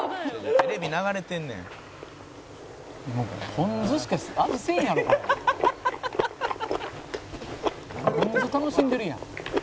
「ポン酢楽しんでるやん」